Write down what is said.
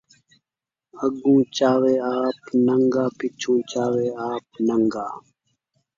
اڳوں چاوی آپ نن٘گا، پچھوں چاوی آپ نن٘گا